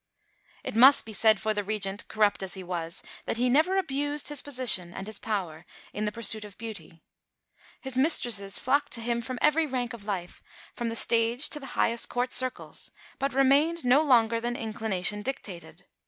It must be said for the Regent, corrupt as he was, that he never abused his position and his power in the pursuit of beauty. His mistresses flocked to him from every rank of life, from the stage to the highest Court circles, but remained no longer than inclination dictated.